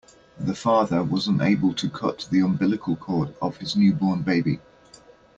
The father was unable to cut the umbilical cord of his newborn baby.